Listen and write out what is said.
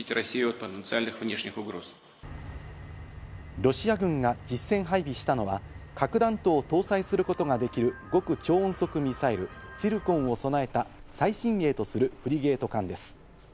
ロシア軍が実戦配備したのは核弾頭を搭載することができる極超音速ミサイル、ツィルコンを備えた最新鋭とするフリゲート艦です。